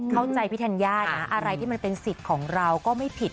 เข้าใจพี่ธัญญานะอะไรที่มันเป็นสิทธิ์ของเราก็ไม่ผิด